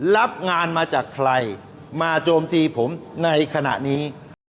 รับงานมาจากใครมาโจมตีผมในขณะนี้